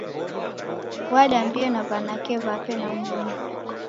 Wadambie na w'anake w'ape na mumi.